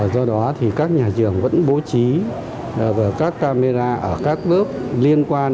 do đó thì các nhà trường vẫn bố trí các camera ở các lớp liên quan